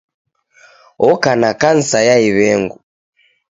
Oka na kansa ya iw'engu.